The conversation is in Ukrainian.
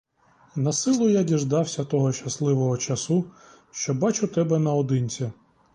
Насилу я діждався того щасливого часу, що бачу тебе наодинці!